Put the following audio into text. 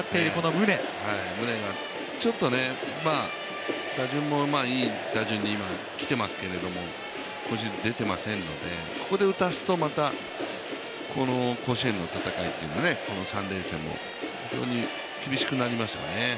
宗がちょっと打順もいい打順に今、きていますけど甲子園に出ていませんので、ここで打たすとまたこの甲子園の戦い、３連戦も非常に厳しくなりますね。